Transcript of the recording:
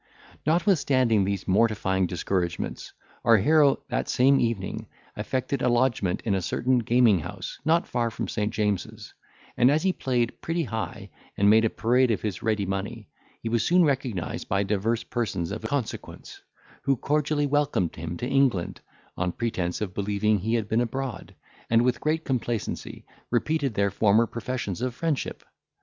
Notwithstanding these mortifying discouragements, our hero, that same evening, effected a lodgment in a certain gaming house not far from St. James's; and, as he played pretty high, and made a parade of his ready money, he was soon recognised by divers persons of consequence, who cordially welcomed him to England, on pretence of believing he had been abroad, and with great complacency repeated their former professions of friendship.